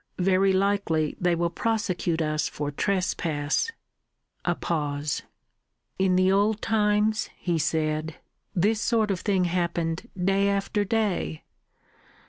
Very likely they will prosecute us for trespass." A pause. "In the old times," he said, "this sort of thing happened day after day."